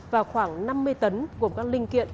và khoảng năm mươi tấn gồm các linh kiện